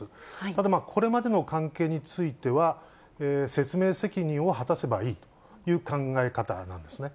ただ、これまでの関係については、説明責任を果たせばいいという考え方なんですね。